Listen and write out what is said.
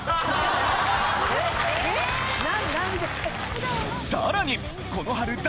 えっ？何で？